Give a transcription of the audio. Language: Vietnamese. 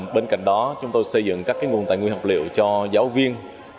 bên cạnh đó chúng tôi xây dựng các nguồn tài nguyên học liệu cho giáo viên